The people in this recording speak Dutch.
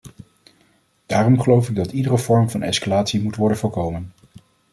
Daarom geloof ik dat iedere vorm van escalatie moet worden voorkomen.